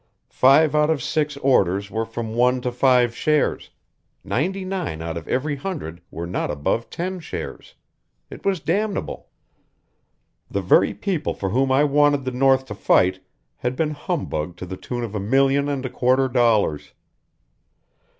Five out of six orders were from one to five shares; ninety nine out of every hundred were not above ten shares. It was damnable. The very people for whom I wanted the north to fight had been humbugged to the tune of a million and a quarter dollars.